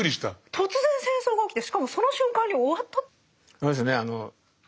突然戦争が起きてしかもその瞬間に終わった。